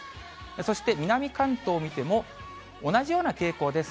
そして南関東見ても、同じような傾向です。